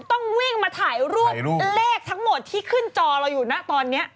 ต้องวิ่งมาถ่ายรูปเลขทั้งหมดที่ขึ้นจอเราอยู่นะตอนนี้